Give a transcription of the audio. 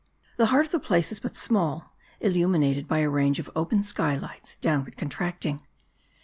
The heart of the place is but small ; illuminated by a range of open sky lights, downward contracting.